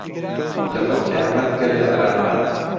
لەبۆ قیامەت گەلێ عەلامات